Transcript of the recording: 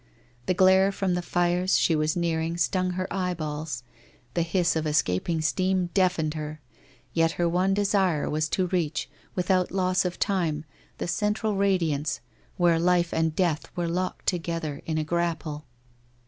The glare from the fires she was nearing stung her eye balls, the hiss of escaping steam deafened her, yet her one desire was to reach, without loss of time, the central ra diance, where life and death were locked together in a grapple.